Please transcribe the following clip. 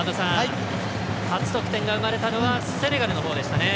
初得点が生まれたのはセネガルのほうでしたね。